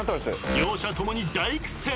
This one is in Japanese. ［両者共に大苦戦］